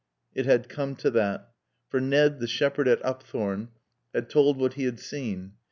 It had come to that. For Ned, the shepherd at Upthorne, had told what he had seen.